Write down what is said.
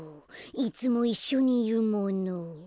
いつもいっしょにいるもの。